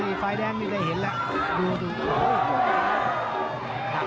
ในฝ่ายแดงนี่ได้เห็นแล้วดูดูดูโอ้ยโอ้ย